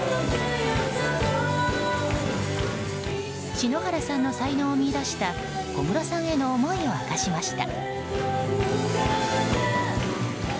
篠原さんの才能を見いだした小室さんへの思いを明かしました。